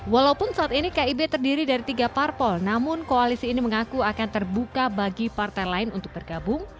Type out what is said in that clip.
walaupun saat ini kib terdiri dari tiga parpol namun koalisi ini mengaku akan terbuka bagi partai lain untuk bergabung